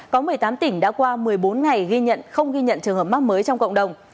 có một mươi tám tỉnh đã qua một mươi bốn ngày ghi nhận không ghi nhận trường hợp mắc mới trong cộng đồng